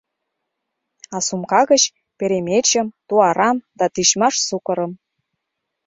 А сумка гыч — перемечым, туарам да тичмаш сукырым.